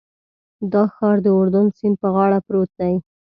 دا ښار د اردن سیند په غاړه پروت دی.